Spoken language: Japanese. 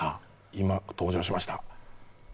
今登場しました